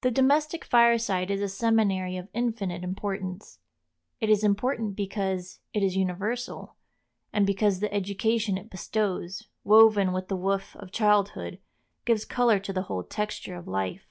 The domestic fireside is a seminary of infinite importance. It is important because it is universal, and because the education it bestows, woven with the woof of childhood, gives color to the whole texture of life.